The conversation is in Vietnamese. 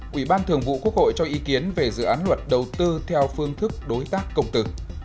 quỹ ban thường vụ quốc hội cho ý kiến về dự án luật đầu tư theo phương thức đối tác công tư